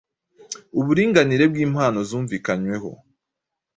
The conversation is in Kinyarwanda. Uburinganire bwimpano zumvikanyweho